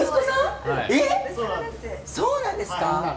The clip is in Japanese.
えっそうなんですか！？